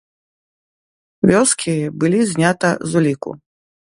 Вёскі былі знята з уліку.